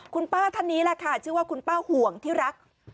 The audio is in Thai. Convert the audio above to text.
คุณป้าท่านนี้แหละค่ะชื่อว่าคุณป้าห่วงที่รัก